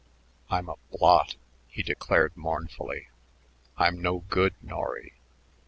"I'm a blot," he declared mournfully; "I'm no good, Norry.